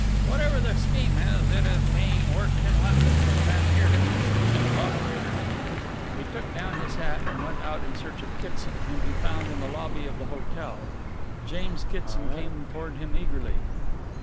Whatever the scheme is, it is being worked in London, and van Heerden is the chief operator." He took down his hat and went out in search of Kitson, whom he found in the lobby of the hotel. James Kitson came toward him eagerly.